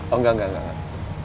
oh enggak enggak enggak